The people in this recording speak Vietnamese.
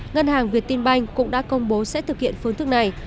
ngân hàng viettinbank cũng đã công bố sẽ thực hiện phương thức này